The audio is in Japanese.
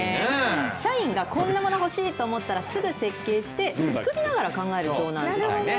社員がこんなもの欲しいと思ったら、すぐ設計して作りながら考えるそうなんです。